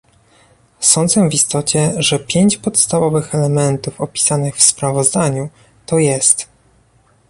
Sądzę w istocie, że pięć podstawowych elementów opisanych w sprawozdaniu, to jest